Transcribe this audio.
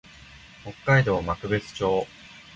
北海道幕別町